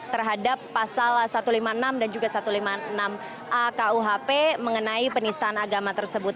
terhadap pasal satu ratus lima puluh enam dan juga satu ratus lima puluh enam a kuhp mengenai penistaan agama tersebut